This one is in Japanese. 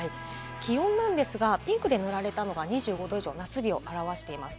気温なんですが、ピンクで塗られたのが２５度以上、夏日を表しています。